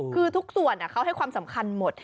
คือทุกส่วนเขาให้ความสำคัญหมด